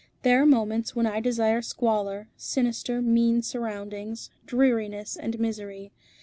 There are moments when I desire squalor, sinister, mean surroundings, dreariness, and misery.